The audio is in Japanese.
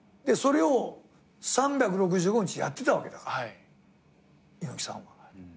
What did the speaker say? でそれを３６５日やってたわけだから猪木さんは。